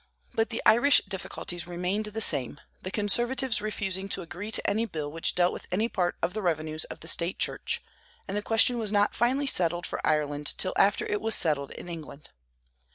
But the Irish difficulties remained the same, the conservatives refusing to agree to any bill which dealt with any part of the revenues of the State church; and the question was not finally settled for Ireland till after it was settled in England.